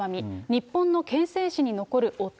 日本の憲政史に残る汚点。